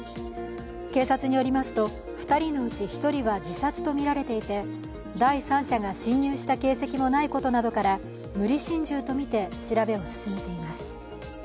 警察によりますと、２人のうち１人は自殺とみられていて、第三者が侵入した形跡もないことなどから、無理心中とみて調べを進めています。